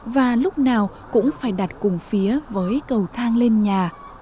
và lúc nào cũng phải đặt cùng phía với cầu thang lên nhà